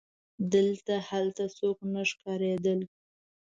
دلته هلته څوک نه ښکارېدل.